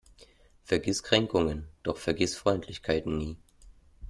Vergiss Kränkungen, doch vergiss Freundlichkeiten nie.